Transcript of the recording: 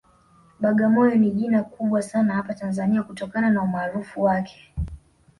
Bagamoyo ni jina kubwa sana hapa Tanzania kutokana na umaarufu wake